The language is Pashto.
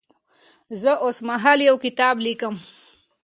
زه اوس مهال یو کتاب لیکم.